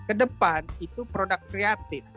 kedepan itu produk kreatif